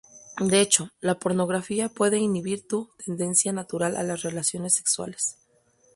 De hecho, la pornografía puede inhibir tu tendencia natural a las relaciones sexuales.